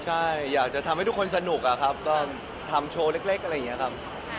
ใช่อยากจะทำให้ทุกคนสนุกอะครับก็ทำโชว์เล็กอะไรอย่างนี้ครับ